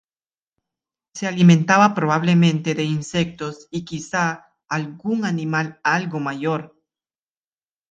Se alimentaba probablemente de insectos y quizá algún animal algo mayor.